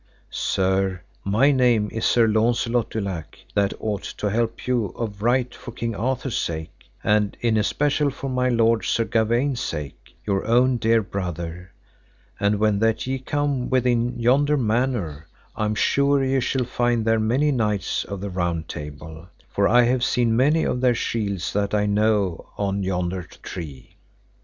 Sir, my name is Sir Launcelot du Lake, that ought to help you of right for King Arthur's sake, and in especial for my lord Sir Gawaine's sake, your own dear brother; and when that ye come within yonder manor, I am sure ye shall find there many knights of the Round Table, for I have seen many of their shields that I know on yonder tree.